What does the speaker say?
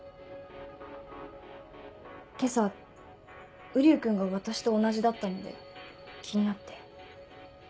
今朝瓜生君が私と同じだったので気になって。